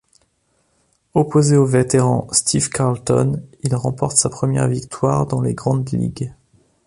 Opposé au vétéran Steve Carlton, il remporte sa première victoire dans les grandes ligues.